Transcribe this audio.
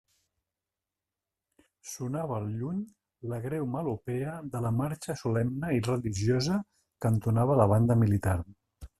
Sonava al lluny la greu melopea de la marxa solemne i religiosa que entonava la banda militar.